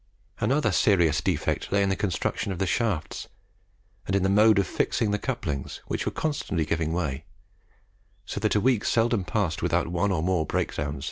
Another serious defect lay in the construction of the shafts, and in the mode of fixing the couplings, which were constantly giving way, so that a week seldom passed without one or more breaks down.